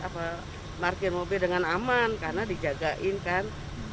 apa parkir mobil dengan aman karena dijagain kan